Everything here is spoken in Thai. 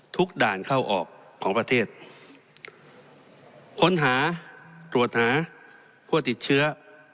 ด่านเข้าออกของประเทศค้นหาตรวจหาผู้ติดเชื้อ